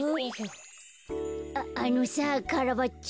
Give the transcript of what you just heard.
あのさカラバッチョ。